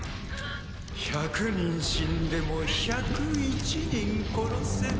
１００人死んでも１０１人殺せば問題なし！